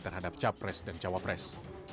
terhadap capres dan cawapres